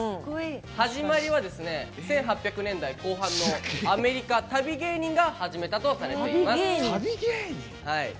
始まりは１８００年代後半のアメリカ、旅芸人が始めたとされています。